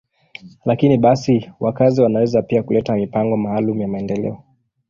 Lakini basi, wakazi wanaweza pia kuleta mipango maalum ya maendeleo.